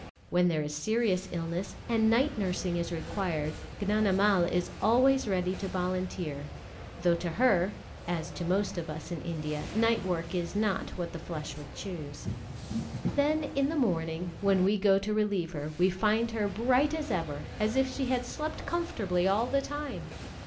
When there is serious illness, and night nursing is required, Gnanamal is always ready to volunteer; though to her, as to most of us in India, night work is not what the flesh would choose. Then in the morning, when we go to relieve her, we find her bright as ever, as if she had slept comfortably all the time.